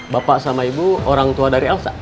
bapak sama ibu orang tua dari elsa